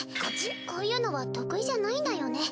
こういうのは得意じゃないんだよね。